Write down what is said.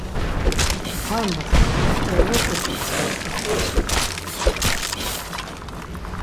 Ar masas ovro ǩoçi pxert̆it.